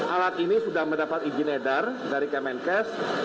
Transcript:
alat ini sudah mendapat izin edar dari kemenkes